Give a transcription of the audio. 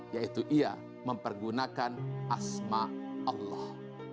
yaitu ia mempergunakan asma allah